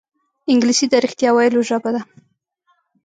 انګلیسي د رښتیا ویلو ژبه ده